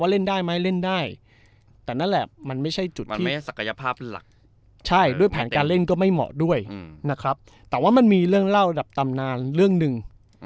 แล้วมันมีเรื่องเล่าดับตำนานเรื่องหนึ่ง